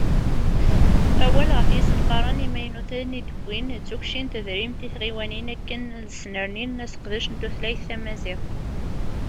Awal ɣef yisenfaren imaynuten i d-tewwim, d tukci n tedrimt i tɣiwanin akken ad snernim aseqdec n tutlayt tamaziɣt